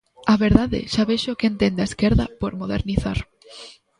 A verdade, xa vexo que entende a esquerda por modernizar.